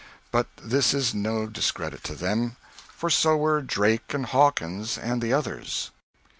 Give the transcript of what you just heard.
But this is no discredit to them, for so were Drake and Hawkins and the others.